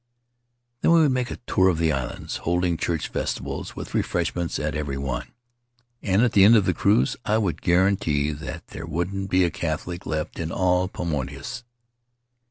Then we would make a tour of the islands, holding church festivals, with refreshments, at every one; and at the end of the cruise I would guarantee that there wouldn't be a Catholic left in all the Paumotus.